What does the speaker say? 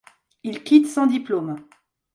Il quitte sans diplôme.